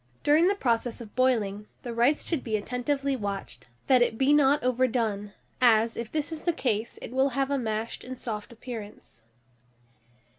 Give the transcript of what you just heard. During the process of boiling, the rice should be attentively watched, that it be not overdone, as, if this is the case, it will have a mashed and soft appearance.